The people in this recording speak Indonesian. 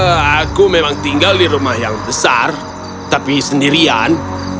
hmm aku memang tinggal di rumah besar tapi sendirian